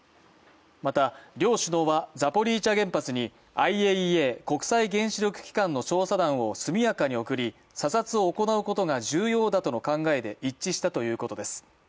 また、両首脳はザポリージャ原発にＩＡＥＡ＝国際原子力機関の調査団を速やかに送り査察を行うことが重要だとの考えで一致したということです。